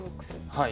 はい。